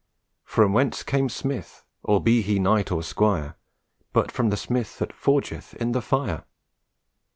"From whence came Smith, all be he knight or squire, But from the smith that forgeth in the fire?"